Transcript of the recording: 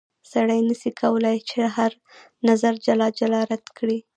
سړی نه سي کولای چې هر نظر جلا جلا رد کړي.